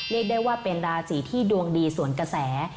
เรียกได้ว่าเป็นราศีที่ดวงดีส่วนกระแส